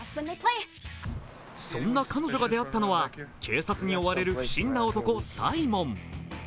そんな彼女が出会ったのは、警察に追われる不審な男、サイモン。